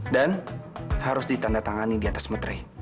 dan harus ditanda tangan di atas metri